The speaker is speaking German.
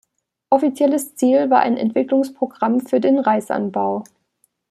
Offizielles Ziel war ein Entwicklungsprogramm für den Reisanbau.